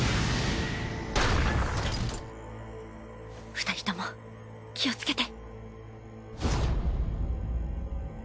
２人とも気をつけて